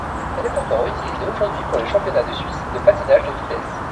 Elle est encore utilisée aujourd'hui pour les championnats de Suisse de patinage de vitesse.